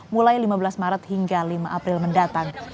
mulai lima belas maret hingga lima april mendatang